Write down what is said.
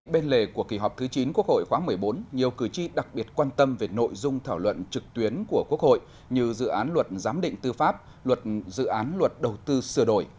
bên lề của kỳ họp thứ chín quốc hội khóa một mươi bốn nhiều cử tri đặc biệt quan tâm về nội dung thảo luận trực tuyến của quốc hội như dự án luật giám định tư pháp luật dự án luật đầu tư sửa đổi